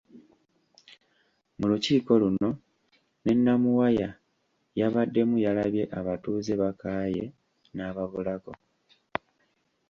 Mu lukiiko luno ne Namuwaya yabaddemu yalabye abatuuze bakaaye n’ababulako.